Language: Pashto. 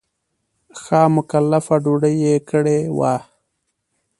ښه مکلفه ډوډۍ یې کړې وه.